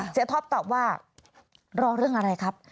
ท็อปตอบว่ารอเรื่องอะไรครับ